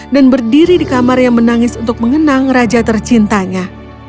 dan berdiri di kamar yang menangis untuk mengenang raja tercintanya